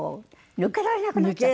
抜けられなくなっちゃう。